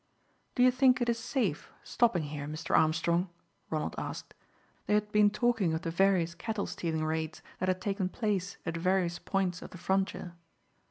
"Do you think it is safe stopping here, Mr. Armstrong?" Ronald asked. They had been talking of the various cattle stealing raids that had taken place at various points of the frontier.